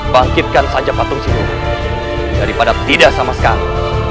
bangkitkan saja patung simu daripada tidak sama sekali